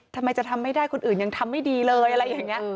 ทำไมจะทำไม่ได้คนอื่นยังทำไม่ดีเลยอะไรอย่างนี้